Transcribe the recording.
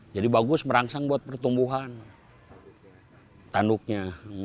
jadi bagus merangsang buat pertumbuhan tanduknya